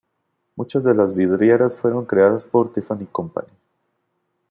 Muchas de las vidrieras fueron creadas por Tiffany Company.